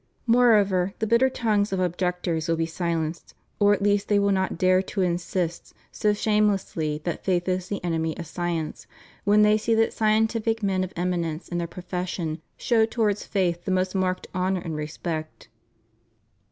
Moreover, the bitter tongues of objectors will be silenced, or at least they will not dare to insist so * Ep. Ixxvii. 1, et crebrius alibi. THE STUDY OF HOLY SCRIPTURE. 299 •hamelessly that faith is the enemy of science, when they Bee that scientific men of eminence in their profession show towards faith the most marked honor and respect.